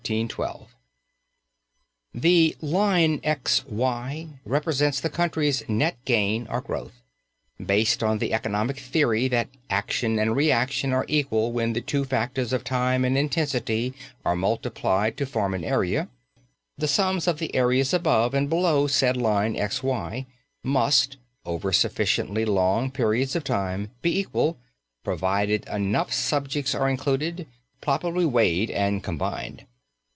The line X Y represents the country's net gain or growth. Based on the economic theory that "action and reaction are equal when the two factors of time and intensity are multiplied to form an area," the sums of the areas above and below said line X Y must, over sufficiently long periods of time, be equal, provided enough subjects are included, properly weighed and combined.